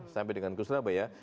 sampai dengan ke surabaya